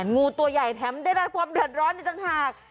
งูตัวใหญ่แถมได้รับความเดือดร้อนอีกต่างหาก